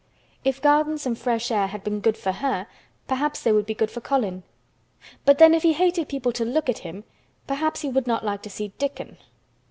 If gardens and fresh air had been good for her perhaps they would be good for Colin. But then, if he hated people to look at him, perhaps he would not like to see Dickon.